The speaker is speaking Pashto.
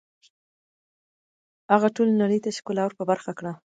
هغه ټولې نړۍ ته ښکلا ور په برخه کړه